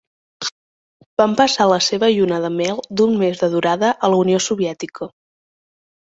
Van passar la seva lluna de mel d'un mes de durada a la Unió Soviètica.